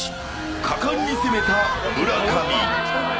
果敢に攻めた村上。